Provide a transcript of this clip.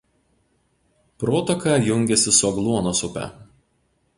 Protaka jungiasi su Agluonos upe.